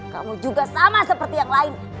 kamu juga sama seperti yang lain